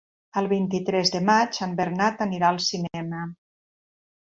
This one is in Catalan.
El vint-i-tres de maig en Bernat anirà al cinema.